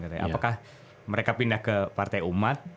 apakah mereka pindah ke partai umat